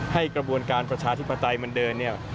ให้กระบวนการประชาธิปไตยมันเดิน